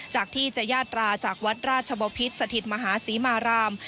จากที่จะยาตราจากวัดราชบพิษสถิตมหาศรีมาราม